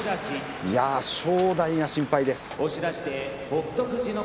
正代が心配です。